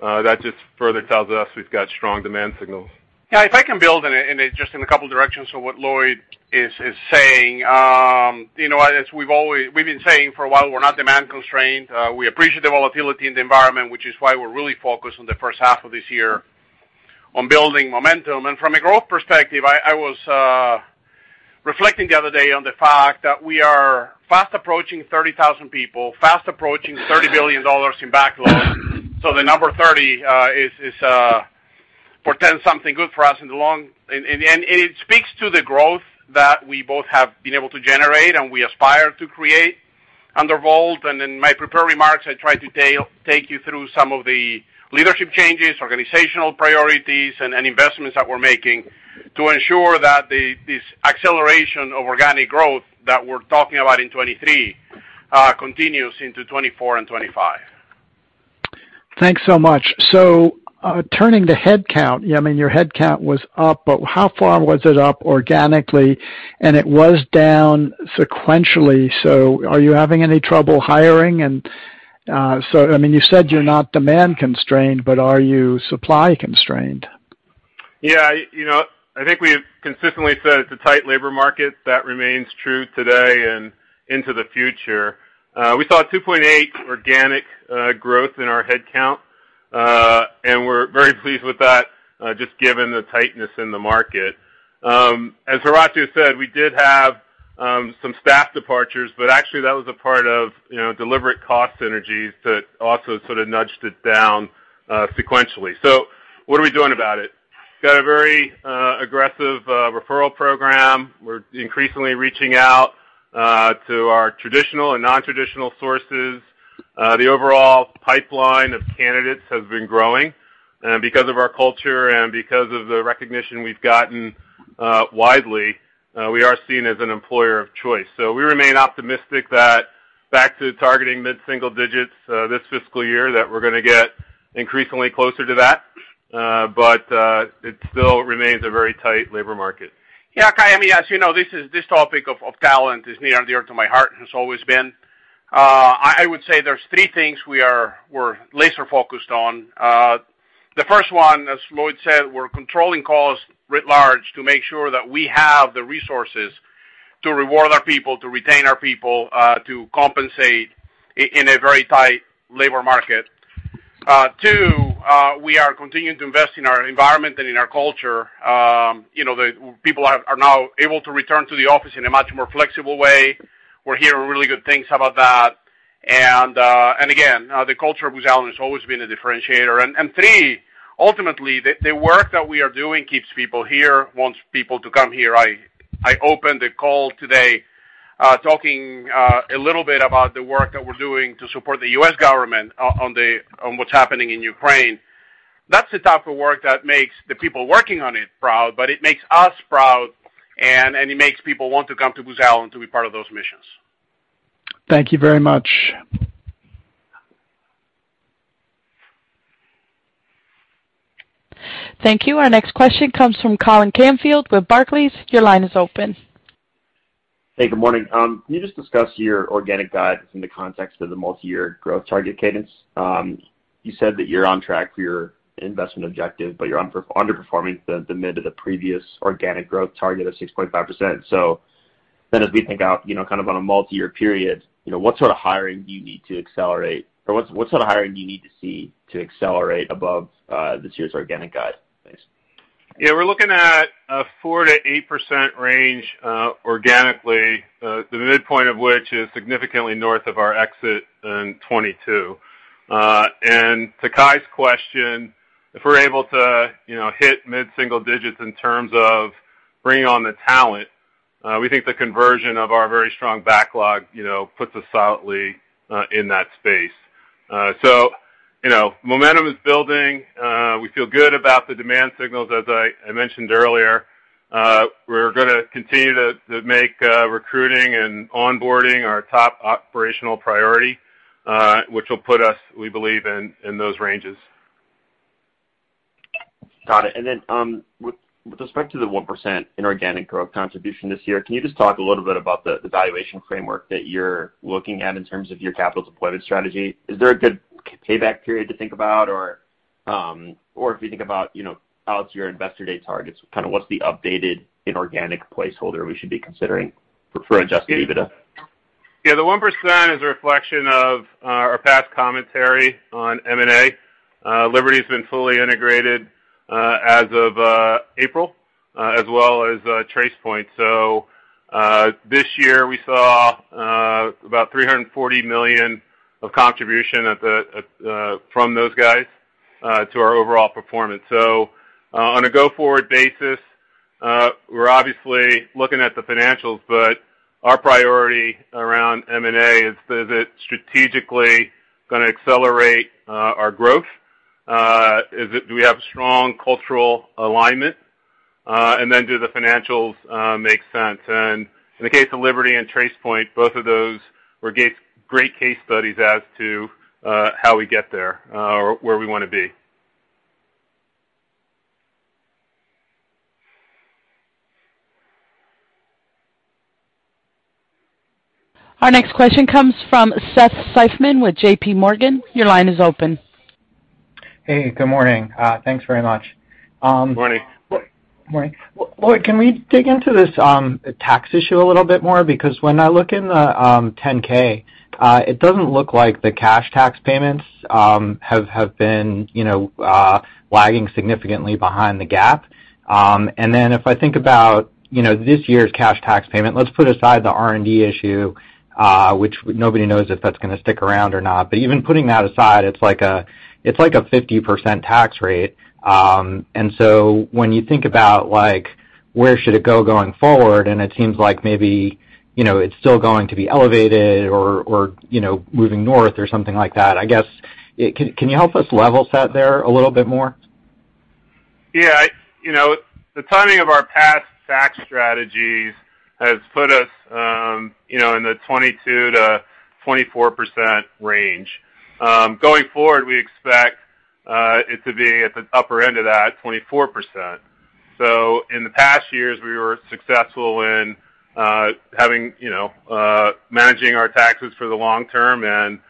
that just further tells us we've got strong demand signals. Yeah, if I can build on it and just in a couple directions to what Lloyd is saying. You know, as we've been saying for a while, we're not demand-constrained. We appreciate the volatility in the environment, which is why we're really focused on the first half of this year on building momentum. From a growth perspective, I was reflecting the other day on the fact that we are fast approaching 30,000 people, fast approaching $30 billion in backlog. So the number 30 portends something good for us in the long. It speaks to the growth that we both have been able to generate and we aspire to create under VoLT. In my prepared remarks, I tried to take you through some of the leadership changes, organizational priorities, and investments that we're making to ensure that this acceleration of organic growth that we're talking about in 2023 continues into 2024 and 2025. Thanks so much. Turning to headcount, I mean, your headcount was up, but how far was it up organically? It was down sequentially, so are you having any trouble hiring? I mean, you said you're not demand-constrained, but are you supply-constrained? Yeah. You know, I think we've consistently said it's a tight labor market. That remains true today and into the future. We saw 2.8% organic growth in our headcount, and we're very pleased with that, just given the tightness in the market. As Horacio said, we did have some staff departures, but actually that was a part of, you know, deliberate cost synergies that also sort of nudged it down sequentially. What are we doing about it? Got a very aggressive referral program. We're increasingly reaching out to our traditional and non-traditional sources. The overall pipeline of candidates has been growing. Because of our culture and because of the recognition we've gotten widely, we are seen as an employer of choice. We remain optimistic that back to targeting mid-single digits, this fiscal year, that we're gonna get increasingly closer to that. But it still remains a very tight labor market. Yeah, Cai von Rumohr, I mean, as you know, this topic of talent is near and dear to my heart and has always been. I would say there's three things we're laser-focused on. The first one, as Lloyd Howell said, we're controlling costs writ large to make sure that we have the resources to reward our people, to retain our people, to compensate in a very tight labor market. Two, we are continuing to invest in our environment and in our culture. You know, the people are now able to return to the office in a much more flexible way. We're hearing really good things about that. Again, the culture of Booz Allen has always been a differentiator. Three, ultimately, the work that we are doing keeps people here, wants people to come here. I opened the call today, talking a little bit about the work that we're doing to support the U.S. government on what's happening in Ukraine. That's the type of work that makes the people working on it proud, but it makes us proud and it makes people want to come to Booz Allen to be part of those missions. Thank you very much. Thank you. Our next question comes from Colin Canfield with Barclays. Your line is open. Hey, good morning. Can you just discuss your organic guidance in the context of the multi-year growth target cadence? You said that you're on track for your investment objective, but you're underperforming the mid of the previous organic growth target of 6.5%. As we think out, you know, kind of on a multi-year period, you know, what sort of hiring do you need to accelerate or what sort of hiring do you need to see to accelerate above this year's organic guide? Thanks. Yeah, we're looking at a 4%-8% range organically, the midpoint of which is significantly north of our exit in 2022. To Cai's question, if we're able to, you know, hit mid-single digits in terms of bringing on the talent, we think the conversion of our very strong backlog, you know, puts us solidly in that space. You know, momentum is building. We feel good about the demand signals, as I mentioned earlier. We're gonna continue to make recruiting and onboarding our top operational priority, which will put us, we believe, in those ranges. Got it. With respect to the 1% inorganic growth contribution this year, can you just talk a little bit about the valuation framework that you're looking at in terms of your capital deployment strategy? Is there a good payback period to think about? Or if you think about, you know, out to your investor day targets, kind of what's the updated inorganic placeholder we should be considering for adjusted EBITDA? Yeah. The 1% is a reflection of our past commentary on M&A. Liberty has been fully integrated as of April as well as Tracepoint. This year we saw about $340 million of contribution from those guys to our overall performance. On a go-forward basis, we're obviously looking at the financials, but our priority around M&A is that it strategically gonna accelerate our growth. Do we have strong cultural alignment? Do the financials make sense? In the case of Liberty and Tracepoint, both of those were great case studies as to how we get there or where we wanna be. Our next question comes from Seth Seifman with JPMorgan. Your line is open. Hey, good morning. Thanks very much. Good morning. Morning. Lloyd, can we dig into this tax issue a little bit more? Because when I look in the 10-K, it doesn't look like the cash tax payments have been, you know, lagging significantly behind the GAAP. Then if I think about, you know, this year's cash tax payment, let's put aside the R&D issue, which nobody knows if that's gonna stick around or not. But even putting that aside, it's like a 50% tax rate. When you think about like, where should it go going forward, and it seems like maybe, you know, it's still going to be elevated or, you know, moving north or something like that, I guess, can you help us level set there a little bit more? Yeah, you know, the timing of our past tax strategies has put us, you know, in the 22%-24% range. Going forward, we expect it to be at the upper end of that 24%. In the past years, we were successful in having, you know, managing our taxes for the long term and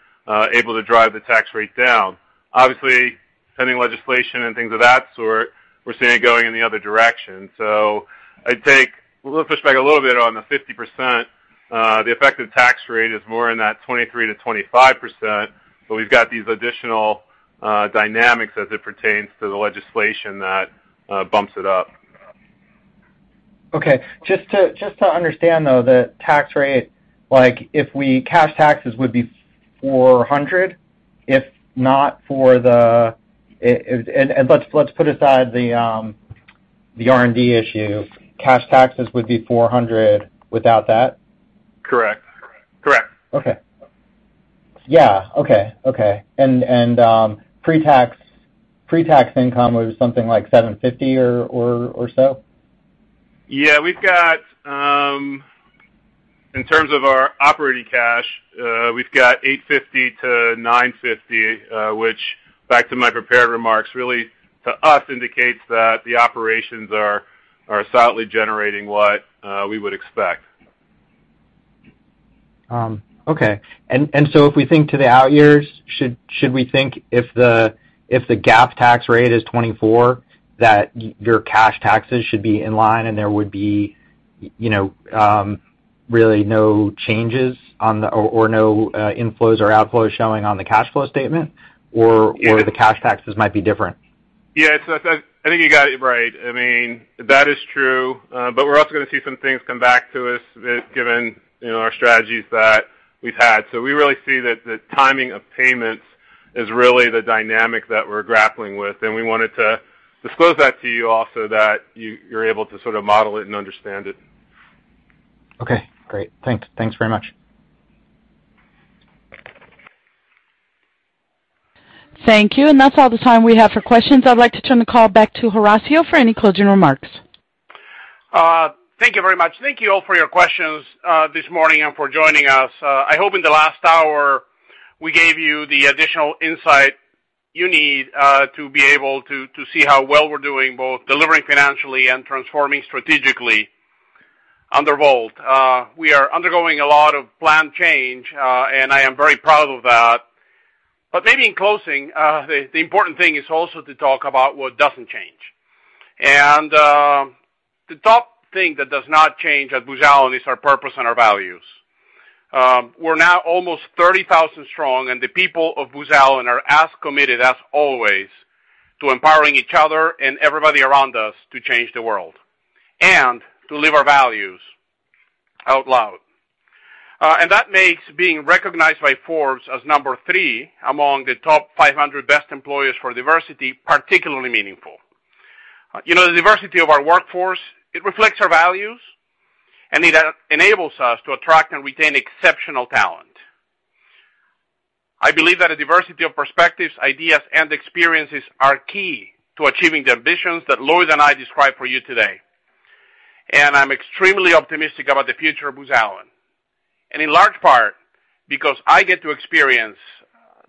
able to drive the tax rate down. Obviously, pending legislation and things of that sort, we're seeing it going in the other direction. We'll push back a little bit on the 50%. The effective tax rate is more in that 23%-25%, but we've got these additional dynamics as it pertains to the legislation that bumps it up. Okay. Just to understand, though, the tax rate, like, cash taxes would be $400. Let's put aside the R&D issue. Cash taxes would be $400 without that? Correct. Correct. Pre-tax income was something like $750 or so? Yeah, we've got in terms of our operating cash, we've got $850-$950, which back to my prepared remarks, really to us indicates that the operations are solidly generating what we would expect. Okay. If we think to the out years, should we think if the GAAP tax rate is 24%, that your cash taxes should be in line and there would be, you know, really no changes, or no inflows or outflows showing on the cash flow statement? Yeah. The cash taxes might be different? Yeah. I think you got it right. I mean, that is true. We're also gonna see some things come back to us given, you know, our strategies that we've had. We really see that the timing of payments is really the dynamic that we're grappling with, and we wanted to disclose that to you all so that you're able to sort of model it and understand it. Okay, great. Thanks very much. Thank you. That's all the time we have for questions. I'd like to turn the call back to Horacio for any closing remarks. Thank you very much. Thank you all for your questions this morning and for joining us. I hope in the last hour we gave you the additional insight you need to be able to see how well we're doing, both delivering financially and transforming strategically under VoLT. We are undergoing a lot of planned change, and I am very proud of that. Maybe in closing, the important thing is also to talk about what doesn't change. The top thing that does not change at Booz Allen is our purpose and our values. We're now almost 30,000 strong, and the people of Booz Allen are as committed as always to empowering each other and everybody around us to change the world and to live our values out loud. That makes being recognized by Forbes as number three among the top 500 best employers for diversity particularly meaningful. You know, the diversity of our workforce, it reflects our values, and it enables us to attract and retain exceptional talent. I believe that a diversity of perspectives, ideas, and experiences are key to achieving the ambitions that Lloyd and I described for you today. I'm extremely optimistic about the future of Booz Allen, and in large part because I get to experience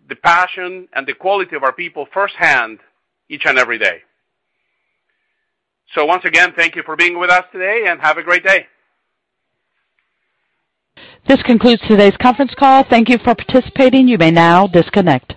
the passion and the quality of our people firsthand each and every day. Once again, thank you for being with us today, and have a great day. This concludes today's conference call. Thank you for participating. You may now disconnect.